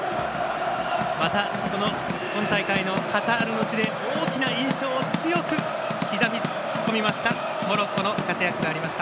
また、この今大会のカタールの地で大きな印象を強く刻み込みましたモロッコの活躍がありました。